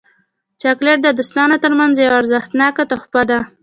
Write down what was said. چاکلېټ د دوستانو ترمنځ یو ارزښتناک تحفه ده.